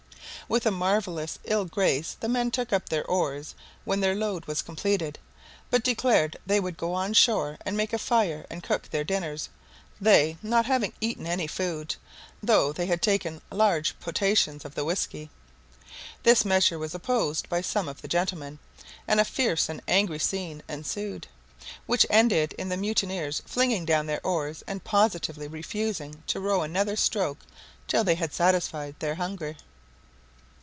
With a marvellous ill grace the men took up their oars when their load was completed, but declared they would go on shore and make a fire and cook their dinners, they not having eaten any food, though they had taken large potations of the whiskey. This measure was opposed by some of the gentlemen, and a fierce and angry scene ensued, which ended in the mutineers flinging down their oars, and positively refusing to row another stroke till they had satisfied their hunger.